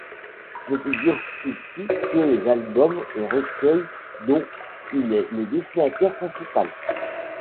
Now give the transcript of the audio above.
Ne figurent ici que les albums et recueils dont il est le dessinateur principal.